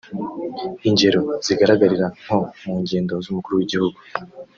Ingero zigaragarira nko mu ngendo z’Umukuru w’Igihugu